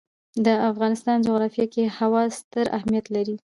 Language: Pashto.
د افغانستان جغرافیه کې هوا ستر اهمیت لري.